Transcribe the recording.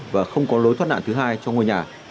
và không có lối thoát nạn thứ hai trong ngôi nhà